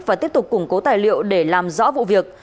và tiếp tục củng cố tài liệu để làm rõ vụ việc